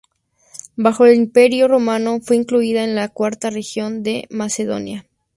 Bajo el Imperio romano fue incluida en la cuarta región de Macedonia.